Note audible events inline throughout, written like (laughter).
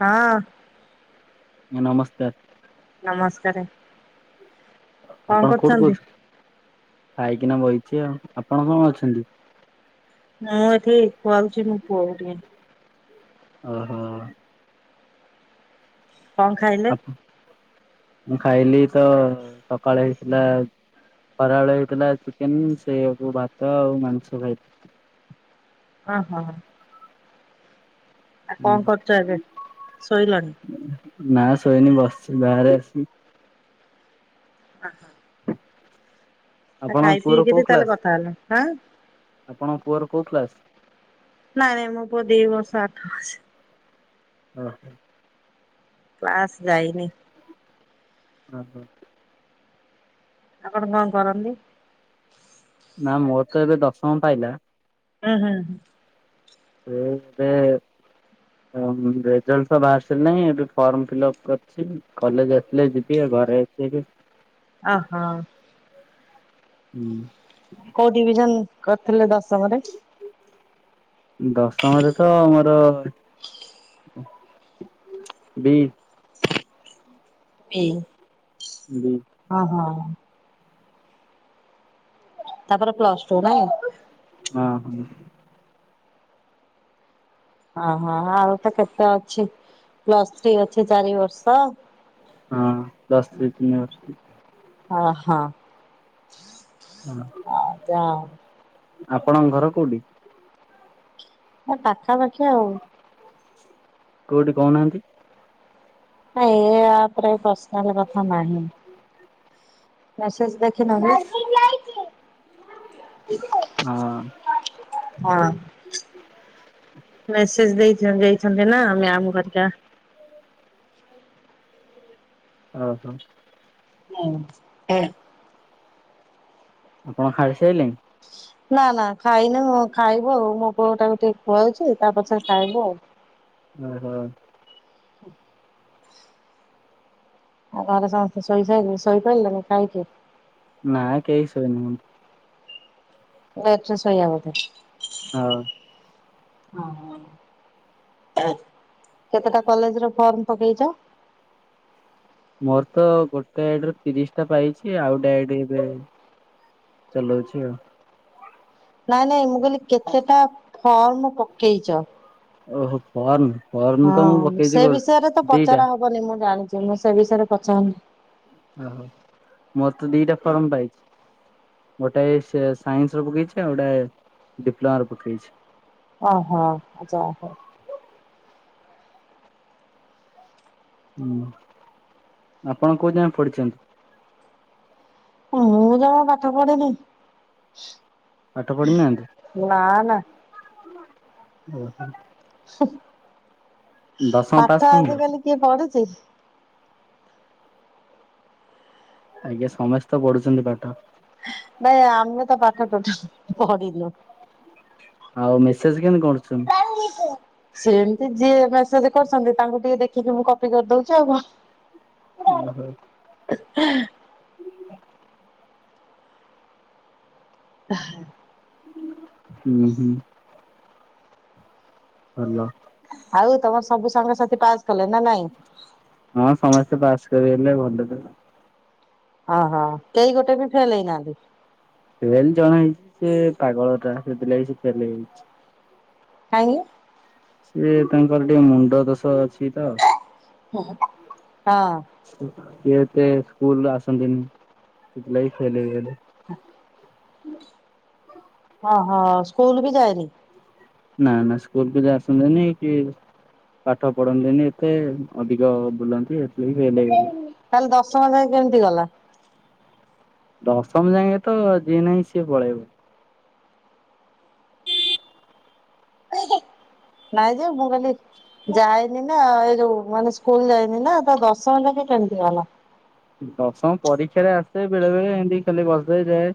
ହଁ। ନମସ୍କାର। ନମସ୍କାରେ। ଆପଣ କୋଉଠୁ କହୁଛନ୍ତି, ଖାଇକିନା ବଇଚି, ଆଉ ଆପଣ କଣ ଅଛନ୍ତି? ମୁଁ ଏଠି ଖୁଆଉଛି, ମୁଁ ପୁଅକୁ ଟିକେ। ଓହୋ। କଣ ଖାଇଲେ? ମୁଁ ଖାଇଲି ତ, ସକାଳେ ହେଇଥିଲା ଖରାବେଳେ ହେଇଥିଲା, ଚିକେନ, ସେୟାକୁ ଭାତ ଆଉ ମାଂସ ଖାଇଥି ହଁ ହଁ ହଁ। ଆପଣ କଣ କରୁଚନ୍ତି, ଶୋଇଲଣି? ନା, ଶୋଇନି, ବସିଛି ବାହାରେ। (inaudible) ଆପଣଙ୍କ ଖାଇ ପୁଅର କୋଉ ପିଇକିରି ତାହେଲେ କ୍ଲାସ କଥା ହେଲେ, ଆଁ? ଆପଣଙ୍କ ପୁଅର କୋଉ କ୍ଲାସ୍? ନାଇଁ, ନାଇଁ, ମୋ ପୁଅ ଦି ବର୍ଷ ଆଠ ମାସ। (inaudible) କ୍ଲାସ ଯାଇନି। ହଁ ହଁ ଆପଣ କଣ କରନ୍ତି? ନା, ମୋର ତ ଏବେ ଦଶମ ପାଇଲା। ହୁଁ ହୁଁ। ସେ ଏବେ ରେଜଲ୍ଟ ବାହାରି ସାରିଲାଣି। ଏବେ ଫର୍ମ ଫିଲ୍ଅପ କରିଛି କଲେଜ୍ ଆସିଲେ ଯିବି ଆଉ ଘରେ ଅଛି ଏବେ। ଅ ହୋ ହୁଁ କୋଉ ଡିଭିଜନ କରିଥିଲେ ଦଶମରେ? ଦଶମରେ ତ ମୋର ବି ବି ବି ଓ ହୋ ତାପରେ ପ୍ଲସ ଟୁ ନାଇଁ? ହୁଁ ହୁଁ। ହଁ ହଁ ହଁ ଆଉ ତ କେତେ ଅଛି ପ୍ଲସ୍ ଥ୍ରୀ ଅଛି ଚାରି ବର୍ଷ। ହଁ ପ୍ଲସ ତିନି ବର୍ଷ ଅ ହଁ ଅ ହଁ ଆପଣଙ୍କ ଘର କୋଉଠି? ଏ ପାଖାପାଖି ଆଉ। କୋଉଠି କହୁନାହାନ୍ତି। ନାଇଁ ଏ ଅପ୍ ରେ ପର୍ସନାଲ କଥା ନାହିଁ। ମ୍ୟାସେଜ ଦେଖିନ କି? ଅ ହଁ ମେସେଜ ଦେଇଚ ଦେଇଚନ୍ତି ନା ମ୍ୟାମ ଘରିକା। ଓ ହୋ (inaudible) ଆପଣ ଖାଇ ସାଇଲେଣି? ନା ନା ଖାଇନୁ ଖାଇବୁ ଆଉ ମୋ ପୁଅ ଟାକୁ ଟିକେ ଖୁଆଉଛି ତା ପଛରେ ଖାଇବୁ ଆଉ। ଓ ହୋ ଆଉ ଘରେ ସମସ୍ତେ ଶୋଇ ସାଇଲେଣି ଶୋଇପଇଲେନି ଖାଇକି? ନାଁ କେଇ ସୋଇନୁ। ଲେଟ୍ ରେ ଶୋଇଆ ବଧେ? ହଁ ଓ ହୋ କେତେଟା କଲେଜ ର ଫର୍ମ ପକେଇଚ? ମୋର ତ ଗୋଟେ ଆଇଡି ରେ ତିରିଶି ଟା ପାଇଛି ଆଉ ଗୋଟେ ଆଇଡି ରେ ଚଲଉଛି ଆଉ। ନାଇଁ ନାଇଁ ମୁଁ କହିଲି କେତେଟା ଫର୍ମ ପକେଇଚ? ଓ ହୋ ଫର୍ମ ଫର୍ମ ତ ମୁଁ ପକେଇଛି ଗୋ ଦିଟା। ନି ମୁଁ ଜାଣିଛି ମୁଁ ସେ ବିଷୟରେ ପଚାରେ ନାଁ। ଓ ହୋ ମୋର ତ ଦିଟା ଫର୍ମ ପାଇଛି। ଗୋଟେଏ ସେ ସାଇନ୍ସ ର ପକେଇଛି ଆଉ ଗୋଟେ ଡିପ୍ଲୋମା ର ପକେଇଛି। ଓ ହୋ ଯାହା ହେଉ। ହୁଁ ଆପଣ କୋଉ ଜାଙ୍କେ ପଡିଛନ୍ତି? ମୁଁ ଯମା ପାଠ ପଢ଼ିନି। ପାଠ ପଢିନାହାନ୍ତି? ନା ହୁଁ ଦଶମ ପାସ୍ ପାଠ କଲୁଣି? ଆଜିକାଲି କିଏ ପଢୁଛି? ଆଜ୍ଞା ସମସ୍ତେ ତ ପଢୁଛନ୍ତି ପାଠ। ଭାଇ ଆମେ ତ ପାଠ ଟୋଟାଲି ପଢିନଉ। ଆଉ ମେସେଜ କେମିତି କରୁଛନ୍ତି? (unintelligible) ସେମିତି ଯିଏ ମେସେଜ କରୁଚନ୍ତି ତାଙ୍କୁ ଟିକେ ଦେଖିକି ମୁଁ କପି କରିଦଉଚି ଆଉ କଣ? (unintelligible) (inaudible) (inaudible) ହୁଁ ହୁଁ। ହାଲୋ। ଆଉ ତମର ସବୁ ସାଙ୍ଗ ସାଥି ପାସ୍ କଲେ ନା ନାଇଁ। ହଁ ସମସ୍ତେ ପାସ୍ କରିଲେ ଭଲ ହେଲା। ଅ ହ କେଇ ଗୋଟେ ବି ଫେଲ୍ ହେଇ ନାହାନ୍ତି। ଫେଲ୍ ଜଣେ ହେଇଛି ସେ ପାଗଳ ଟା ସେଥିଲାଗି ସେ ଫେଲ ହେଇଛି। କାହିଁକି? ସିଏ ତାଙ୍କର ଟିକେ ମୁଣ୍ଡ ଦୋଷ ଅଛି ତ। ହଁ। ସିଏ ଏତେ ସ୍କୁଲ୍ ଆସନ୍ତିନି ସେଥିଲାଗି ଫେଲ୍ ହେଇ ଗଲେ। (inaudible) ଓହୋ ସ୍କୁଲ୍ ବି ଯାଏନି। ନା ନା ସ୍କୁଲକୁ ଆସନ୍ତିନି କି ପାଠ ପଢନ୍ତିନି ଏତେ ଅଧିକ ବୁଲନ୍ତି ହେଥିଲାଗି ଫେଲ୍ ହେଇଗଲେ। ତାହେଲେ ଦଶମ ଯାଏଁ କେମିତି ଗଲା? ଦଶମ ଯାଏଁ ତ ଯିଏ ନାହିଁ ସିଏ ପଳେଇବ। ନାଇଁ ଯେ ମୁଁ କହିଲି ଯାଇନି ନା ଏଇ ଯୋଉ ମାନେ ସ୍କୁଲ ଯାଇନି ନା ତ ଦଶମ ଯାକେ କେମିତି ଗଲା। ଦଶମ ପରୀକ୍ଷାରେ ଆସେ ବେଳେ ବେଳେ ଏମିତି ଖାଲି ବସେ ଯାଏ।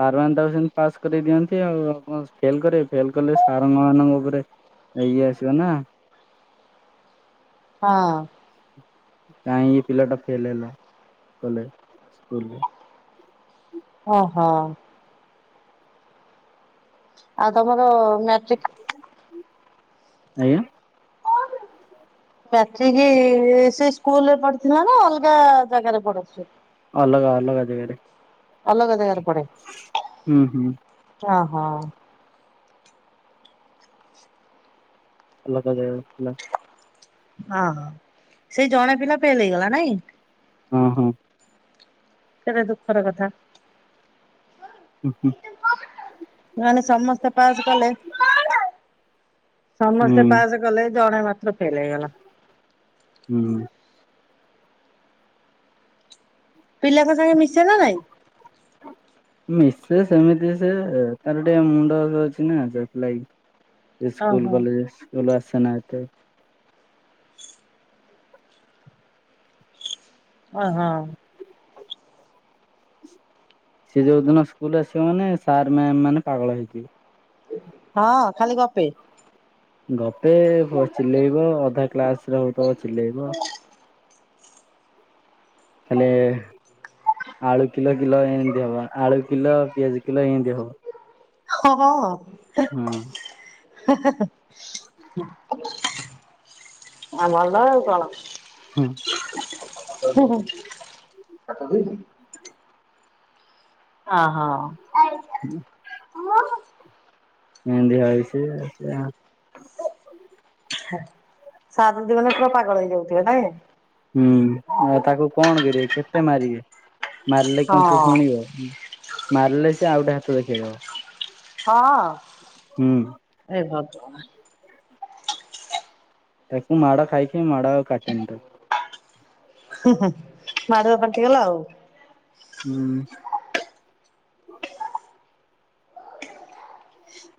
ସରେ ମାନେ ତାକୁ ସେମିତି ପାସ୍ କରି ଦିଅନ୍ତି ଆଉ କଣ ଫେଲ୍ କରେଇବେ ଫେଲ୍ କଲେ ସାରଙ୍କ ମାନଙ୍କ ଉପରେ ଏ ଇଏ ଆସିବ ନା। ହଁ। କାଇଁ ଏ ପିଲା ଟା ଫେଲ ହେଲା? କଲେ ସ୍କୁଲରେ ଓହୋ। ଆଉ ତମର ମାଟ୍ରିକ୍ ଆଜ୍ଞା। ମାଟ୍ରିକ ସେ ସ୍କୁଲରେ ପଡିଥିଲା ନା ଅଲଗା ଜାଗାରେ ପଡିଚି। ଅଲଗା ଅଲଗା ଯେଗାରେ। ଅଲଗା ଜାଗାରେ ପଡେ। ହୁଁ ହୁଁ। ହଁ ହଁ। ଅଲଗା ଯାଗାରେ ଥିଲା। ଅ ହଁ ସେଇ ଜଣେ ପିଲା ଫେଲ ହେଇଗଲା ନାଇଁ। ହଁ ହଁ। କେତେ ଦୁଃଖର କଥା। ହୁଁ ହୁଁ। ମାନେ ସମସ୍ତେ ପାସ୍ କଲେ ହୁଁ ସମସ୍ତେ ପାସ କଲେ ଯଣେ ମାତ୍ର ଫେଲ୍ ହେଇ ଗଲା। ହୁଁ। ପିଲାଙ୍କ ସାଙ୍ଗେ ମିଶେନା ନାଇଁ? ମିଶେ ସେମିତି ସେ ତାର ଟିକେ ମୁଣ୍ଡ ଦୋଷ ଅଛି ନାଁ ସେଥି ଲାଗି। ସ୍କୁଲ୍ ଓହୋ କଲେଜ୍ ଗଲୁ ଆସୁନା ଏତେ ଓହୋ। ସେ ଯୋଉ ଦିନ ସ୍କୁଲ ଆସିବ ମାନେ ସାର୍, ମ୍ୟାମ୍ ମାନେ ପାଗଳ ହେଇଯିବେ। ହଁ ଖାଲି ଗପେ। ଗପେ ଚିଲେଇବ ଅଧା କ୍ଲାସରେ ହଉଥିବ ଚିଲେଇବ। ହେଲେ ଆଳୁ କିଲ କିଲ ଏମିତି ହବ ଆଳୁ କିଲ ପିଆଜ କିଲ ଏମିତି ହବ। ହଁ ହଁ। ହୁଁ। ଆ ଭଲ ଆଉ କଣ। ହଁ ହୁଁ ହୁଁ। ହଁ ହଁ। (unintelligible) (unintelligible) ପୁରା କପାଗଳ ହେଇଯାଉଥିବ ନାଇଁକି। ହୁଁ ଆଉ ତାକୁ କଣ କରିବେ କେତେ ମାରିବେ ମାରିଲେ ହଁ କଣ ସେଶୁଣିବ। ମାରିଲେ ସଆଉ ଗୋଟେ ହାତ ଦେଖେଇଦବ। ହଁ ହୁଁ ଏଭଗବାନ୍। ତାକୁ ମାଡ଼ ଖାଇ ଖାଇ ମାଡ଼ ଆଉ କାଟେନି ତାକୁ। ହୁ ହୁ ମାଡ଼ରେ ପାଖିଗଲା ଆଉ। ହୁଁ।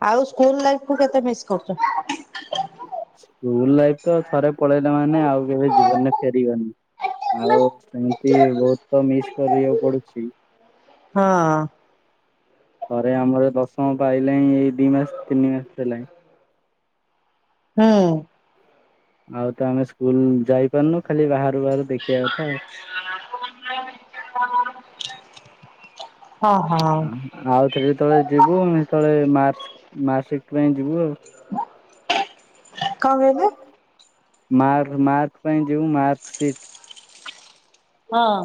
ଆଉ ସ୍କୁଲ୍ ଲାଇଫକୁ କେତେ ମିସ୍ କରୁଚ? ସ୍କୁଲ୍ ଲାଇଫତ ଥରେ ପଳେଇଲେ ମାନେ ଆଉ କେବେ ଜୀବନରେ ଫେରିବନି। ଆଉ ସେମିତି ବହୁତତ ମିସ୍ କରିବାକୁ ପଡ଼ୁଛି। ହଁ। ଥରେ ଆମର ଦଶମ ପାଇଲାଣି ଏଇ ଦି ମାସେ ତିନି ମାସେ ହେଲାଣି। ହୁଁ। ଆଉତ ଆମେ ସ୍କୁଲ୍ ଯାଇପାରୁନୁ ଖାଲି ବାହାରୁ ବାହାରୁ ଦେଖିବା କଥା ଆଉ। (unintelligible) (unintelligible) ହଁ ହଁ। ଆଉ ଥରେ ଯେତେଳେ ଯିବୁ ହେତେଳେ ମାର୍ସ ସିପ୍ଟ ପାଇଁ ଯିବୁ ଆଉ। କହିଲେ? ମାର୍କ ପାଇଁ ଯିବୁ ମାର୍କ ସଟ୍। ହଁ।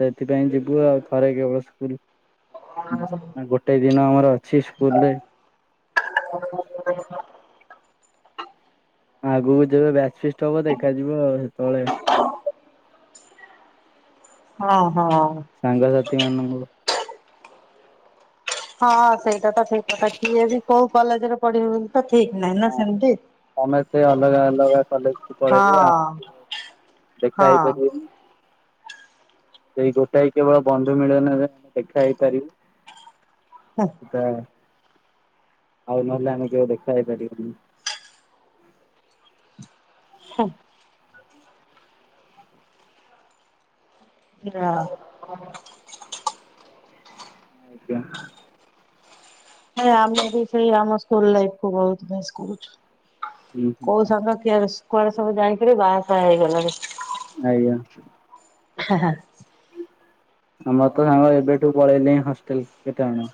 ସେଥିପାଇଁ ଯିବୁ ଆଉ ଥରେ କେବଳ ସ୍କୁଲ୍ ଗୋ ଗୋଟେ ଦିନ ଆମର ଅଛି ସ୍କୁଲରେ। (unintelligible) ଆଗକୁ ଯେବେ ବ୍ୟାଚ୍ ଫିଷ୍ଟ ହବ ଦେଖାଯିବ ଆଉ ସେତେବେଳେ। ହଁ ହଁ। ସାଙ୍ଗସାଥି ମାନଙ୍କୁ। ହଁ ସେଇଟାତ ଠିକ୍ କଥା କିଏବି କୋଉ କଲେଜରେ ପଢିବତ ଠିକ୍ ନାହିଁନା ସେମିତି। ସମେସ୍ତେ ଅଲଗା ଅଲଗା କଲେଜକୁ ପଳେଇବେ ଆଉ ହଁ କିଏ ଦେଖାହେଇ ହଁ। ପାରିବେନି। ସେଇ ଗୋଟାଏ କେବଳ ବନ୍ଧୁ ମିଳନରେ ଆମେ ଦେଖା ହେଇପାରିବୁ। ହଁ। ତା ଆଉ ନହେଲେ ଆମେ କେବେ ଦେଖା ହେଇପାରିବନି। (unintelligible) (unintelligible) ଆଜ୍ଞା। ଆମେ ବି ସେଇ ଆମ ସ୍କୁଲ ଲାଇଫକୁ ବହୁତ୍ ମିସ୍ କରୁଛୁ ହୁଁ ହୁଁ କୋଉ ସାଙ୍ଗ କୁଆଡେ ସବୁ ଜାଣିକରି ବାହାସହା ହେଇଗଲାଣି। ଆଜ୍ଞା। ହଁ ହଁ। ଆମର ତ ସାଙ୍ଗ ଏବେଠୁ ପଳେଇଲେ ହିଁ ହଷ୍ଟେଲ କେତେ ଜଣ।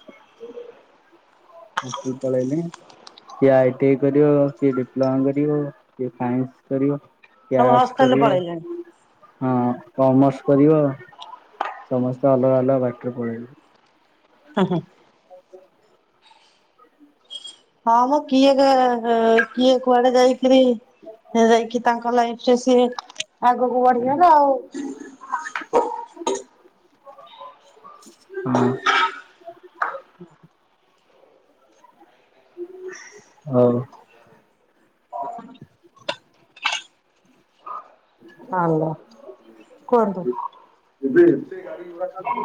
ହଷ୍ଟେଲ ପଳେଇଲେନି। କିଏ ଆଇଟି ଆଇ କରିବ କିଏ ଡିପ୍ଲୋମା କରିବ କିଏ ସାଇନ୍ସ କରିବ। କିଏ ସବୁ ଆର୍ଟ୍ସ୍ ହଷ୍ଟେଲ କରିବ। ପଳେଇଲେଣି। ହଁ କମର୍ସ କରିବ ସମସ୍ତେ ଅଲଗା ଅଲଗା ବାଟରେ ପଳେଇଲେନି। ହୁଁ ହୁଁ। ହଁ ମୁଁ କିଏ କିଏ କୁଆଡେ ଯାଇ ପ୍ରି ଯାଇକି ତାଙ୍କ ଲାଇଫ ରେ ସିଏ ଆଗକୁ ବଢିବେନା ଆଉ। ହଁ। ହଉ। ହାଲୋ କୁହନ୍ତୁ। ଏବେ ଏତେ ଗାଡି ଘୋଡ଼ା ଥାଆନ୍ତି।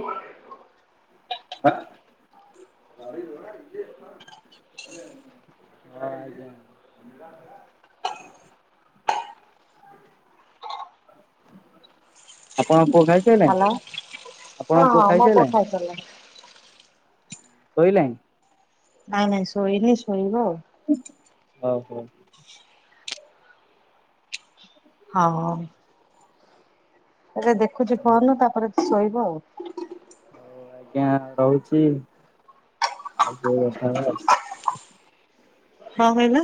ଗଇ (inaudible) ହଁ ଯା (inaudible) (inaudible) (unintelligible) (unintelligible) ଆପଣ ପୁଅ ହାଲୋ। ଖାଇସାଇଲାଣି। ସରିଲାଣି। ଶୋଇଲାଣି। ନାଇଁ ନାଇଁ ଶୋଇନି ଶୋଇବ ଆଉ। ହୁଁ ହୁଁ ହଉ ହଉ। ହଉ ହଉ। ଏଇଟା ଦେଖୁଛି ଫୋନ ତାପରେ ଶୋଇବ ଆଉ ହଁ ଆଜ୍ଞା ରହୁଚି ଆଉଥରେ ଦେଖା ହେବା। କଣ କହିଲ।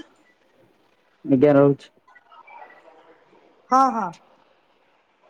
ବିଦ୍ୟା ରହୁଛି। ହଁ ହଁ।